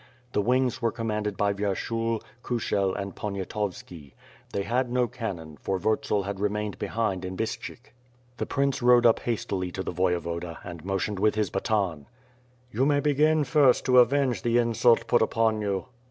The wings were commanded by Vyershul, Kushel and Pon iatovski. They had no cannon, for Vurtzel had remained behind in Bystshyk. The prince rode up hastily to the Voyevoda and motioned with his baton. "You may begin first to avenge the insult put upon you."